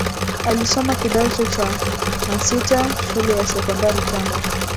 alisoma kidato cha na sita shule ya sekondari tanga